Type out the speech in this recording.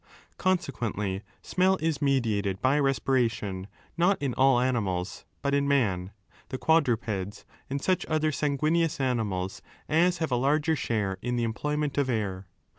Consequently, smell is mediated by respiration, not in all animals, but in man, the quad rupeds and such other sanguineous animals as have a larger share in the employment of air.